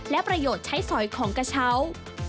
และประโยชน์ใช้สอยของกระเช้า